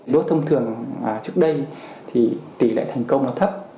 bước thông thường trước đây thì tỷ lệ thành công nó thấp